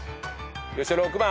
よっしゃ６番。